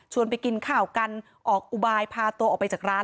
ไปกินข้าวกันออกอุบายพาตัวออกไปจากร้าน